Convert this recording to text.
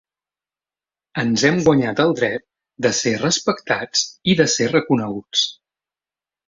Ens hem guanyat el dret de ser respectats i de ser reconeguts.